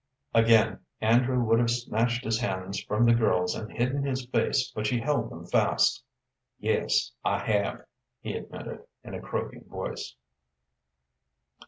Again Andrew would have snatched his hands from the girl's and hidden his face, but she held them fast. "Yes, I have," he admitted, in a croaking voice.